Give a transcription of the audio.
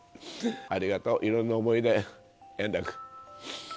ありがとう、いろんな思い出、円楽。